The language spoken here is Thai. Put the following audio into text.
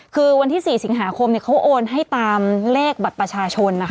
คือวันที่๔สิงหาคมเขาโอนให้ตามเลขบัตรประชาชนนะคะ